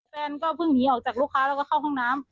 แฟนก็เพิ่งหนีออกจากลูกค้าแล้วก็เข้าห้องน้ำ